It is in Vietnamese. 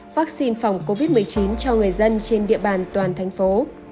vaccine phòng covid một mươi chín cho người dân trên địa bàn toàn thành phố